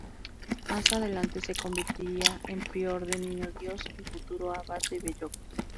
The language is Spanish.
Más adelante se convertiría en Prior de Niño Dios y futuro Abad de Belloc.